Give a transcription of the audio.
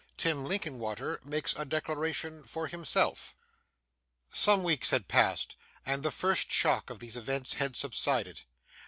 Tim Linkinwater makes a Declaration for himself Some weeks had passed, and the first shock of these events had subsided.